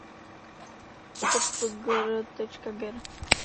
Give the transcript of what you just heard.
Spgr.Ger.